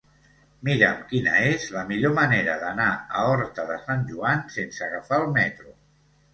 Mira'm quina és la millor manera d'anar a Horta de Sant Joan sense agafar el metro.